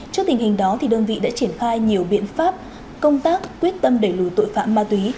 trước tình hình đó đơn vị đã triển khai nhiều biện pháp công tác quyết tâm đẩy lùi tội phạm ma túy